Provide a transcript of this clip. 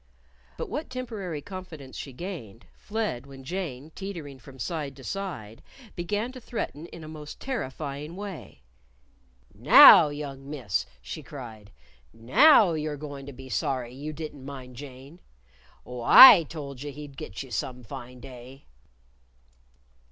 But what temporary confidence she gained, fled when Jane, tettering from side to side, began to threaten in a most terrifying way. "Now, young Miss!" she cried. "Now, you're goin' to be sorry you didn't mind Jane! Oh, I told you he'd git you some fine day!"